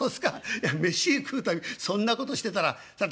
いや飯食う度そんなことしてたらそら